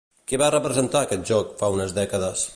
Què va representar aquest joc fa unes dècades?